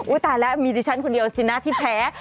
อุ๊ยตายแล้วมีดิฉันคนเดียวที่น่าที่แพ้